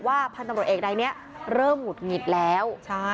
พันธุ์ตำรวจเอกใดนี้เริ่มหงุดหงิดแล้ว